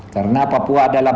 karena papua adalah